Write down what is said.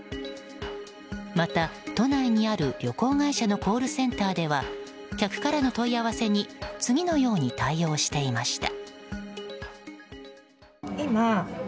また、都内にある旅行会社のコールセンターでは客からの問い合わせに次のように対応していました。